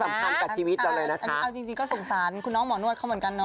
สำคัญที่สุดค่ะอันนี้ก็สงสารคุณน้องหมอนวดเขาเหมือนกันน้อย